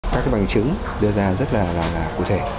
các bằng chứng đưa ra rất là cụ thể